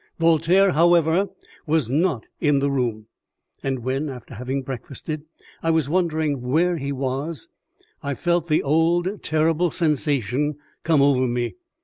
Voltaire, however, was not in the room; and when, after having breakfasted, I was wondering where he was, I felt the old terrible sensation come over me.